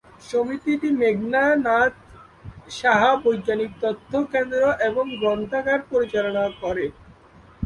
সমিতিটি মেঘনাদ সাহা বৈজ্ঞানিক তথ্য কেন্দ্র এবং গ্রন্থাগার পরিচালনা করে।